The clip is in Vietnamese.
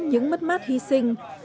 những mất mát hy sinh